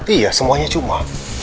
iya semuanya cuma